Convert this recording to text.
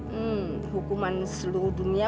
hmm hukuman seluruh dunia